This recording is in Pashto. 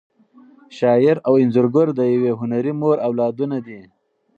شاعر او انځورګر د یوې هنري مور اولادونه دي.